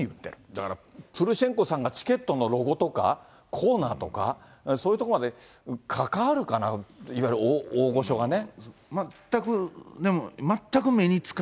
だからプルシェンコさんがチケットのロゴとか、コーナーとか、そういうところまで関わるかな、いわゆる大御所がね。